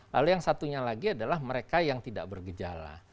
lalu yang satunya lagi adalah mereka yang tidak bergejala